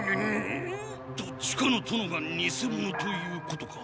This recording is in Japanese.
どっちかの殿がにせ者ということか。